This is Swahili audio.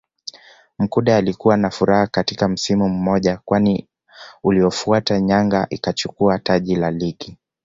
Mkude alikuwa na furaha katika msimu mmoja kwani uliofuata Yanga ikachukua taji la Ligi